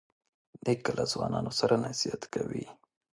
نیکه له ځوانانو سره نصیحت کوي.